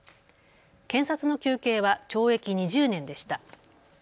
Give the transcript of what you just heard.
検察の求刑は懲役２０年でした。